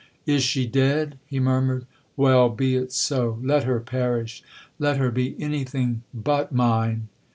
'Is she dead?' he murmured. 'Well, be it so—let her perish—let her be any thing but mine!'